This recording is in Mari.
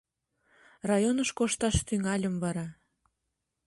Районыш кошташ тӱҥальым вара.